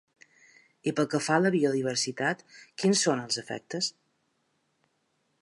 I pel que fa a la biodiversitat, quins són els efectes?